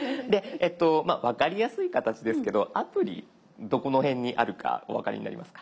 分かりやすい形ですけどアプリどこの辺にあるかお分かりになりますか？